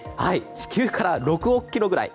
地球から６億キロぐらい。